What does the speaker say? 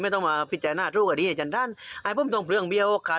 ไม่ต้องมาพิจารณาทุกว่าดีให้จันทราญอ้ายผมต้องเผลืองเบียงโอกาส